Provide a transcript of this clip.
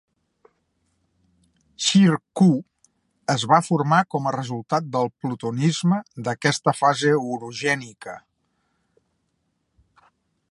Shir Kuh es va formar com a resultat del plutonisme d'aquesta fase orogènica.